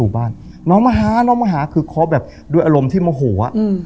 บ้านหน้ามาหาหน้ามมาหาคือขอแบบด้วยอารมณ์ที่โมโหะอืม